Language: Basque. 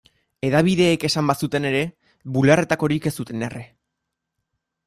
Hedabideek esan bazuten ere, bularretakorik ez zuten erre.